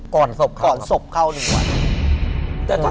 ศพก่อนศพเข้า๑วัน